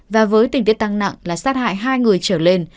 và với tình tiết tăng nặng là sát hại hai người trở lên